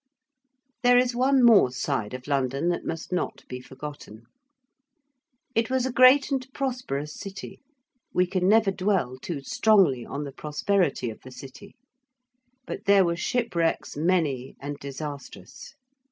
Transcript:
There is one more side of London that must not be forgotten. It was a great and prosperous city: we can never dwell too strongly on the prosperity of the city: but there were shipwrecks many and disastrous.